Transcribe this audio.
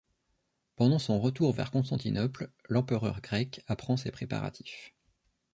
Pendant son retour vers Constantinople, l'empereur grec apprend ces préparatifs.